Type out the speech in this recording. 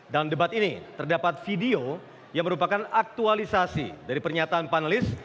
dalam debat ini terdapat video yang merupakan aktualisasi dari pernyataan panelis